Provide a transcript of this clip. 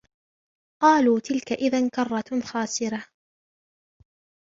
قَالُوا تِلْكَ إِذًا كَرَّةٌ خَاسِرَةٌ